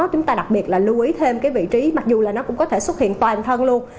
chúng ta đặc biệt là lưu ý thêm cái vị trí mặc dù là nó cũng có thể xuất hiện toàn thân luôn